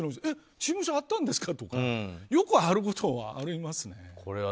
えっ、事務所あったんですかってよくあることはありますね。